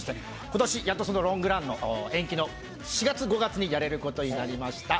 今年やっとそのロングランの延期の４月５月にやれることになりました。